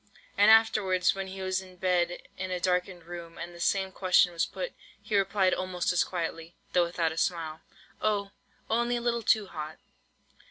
And afterwards, when he was in bed in a darkened room, and the same question was put, he replied almost as quietly, (though without the smile,) "Oh—only a little too hot."